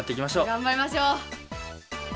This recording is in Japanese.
頑張りましょう。